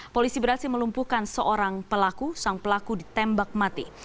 polisi berhasil melumpuhkan seorang pelaku sang pelaku ditembak mati